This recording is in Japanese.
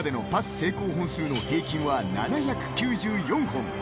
成功本数の平均は７９４本。